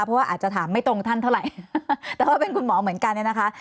เพราะว่าอาจจะถามไม่ตรงท่านเท่าไหร่แต่ว่าเป็นคุณหมอเหมือนกันเนี่ยนะคะ